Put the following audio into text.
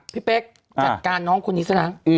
พี่เป๊กจัดการนางคนนี้ซะนะ